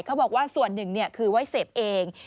เขาบอกว่าส่วนหนึ่งคือไว้เสพเอง